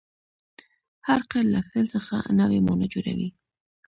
هر قید له فعل څخه نوې مانا جوړوي.